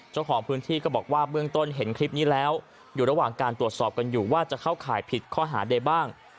เจ้าของพื้นที่ก็บอกว่าเบื้องต้นเห็นคลิปนี้แล้วอยู่ระหว่างการตรวจสอบกันอยู่ว่าจะเข้าข่ายผิดข้อหาใดบ้าง